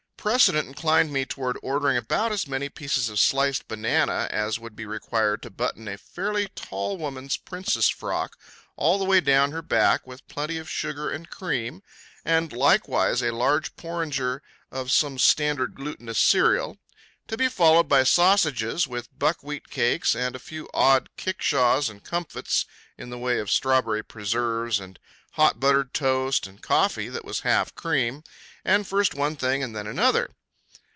Precedent inclined me toward ordering about as many pieces of sliced banana as would be required to button a fairly tall woman's princess frock all the way down her back, with plenty of sugar and cream, and likewise a large porringer of some standard glutinous cereal, to be followed by sausages with buckwheat cakes and a few odd kickshaws and comfits in the way of strawberry preserves and hot buttered toast and coffee that was half cream, and first one thing and then another.